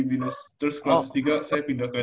terus kelas tiga saya pindah ke